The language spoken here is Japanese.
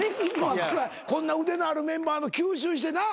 こんな腕のあるメンバーの吸収してな。